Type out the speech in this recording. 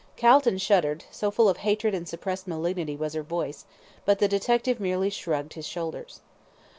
Calton shuddered, so full of hatred and suppressed malignity was her voice, but the detective merely shrugged his shoulders.